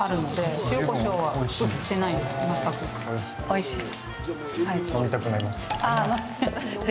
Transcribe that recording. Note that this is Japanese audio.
おいしい？